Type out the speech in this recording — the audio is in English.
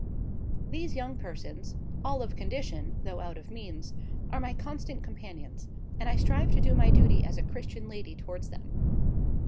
These young persons—all of condition, though out of means—are my constant companions, and I strive to do my duty as a Christian lady towards them.